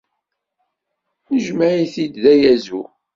Nejmeɛ-t-id d ayazu.